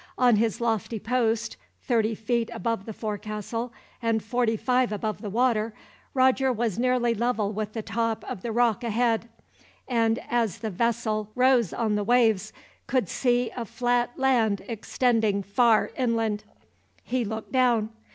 On his lofty post, thirty feet above the forecastle and forty five above the water, Roger was nearly level with the top of the rock ahead; and as the vessel rose on the waves, could see a flat land, extending far inland. He looked down.